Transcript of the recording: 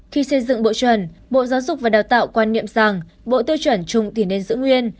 khi xây dựng bộ chuẩn bộ giáo dục và đào tạo quan niệm rằng bộ tiêu chuẩn chung thì nên giữ nguyên